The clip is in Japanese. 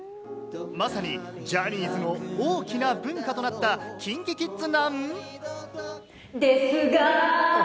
まさにジャニーズの大きな文化となったＫｉｎＫｉＫｉｄｓですが。